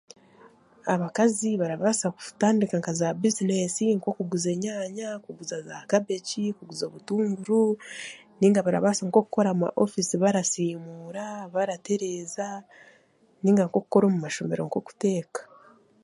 Abakaazi barabaasa kutandika nka za bizinesi nk'okuguza enyaanya, kuguza za kabigi, kuguza obutunguru ninga barabaasa nk'okukora omu ma ofiisi barasiimuura, baratereeza, ninga nk'okukora omu mashomero barateeka.